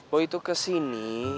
boy tuh kesini